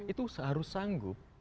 itu seharus sanggup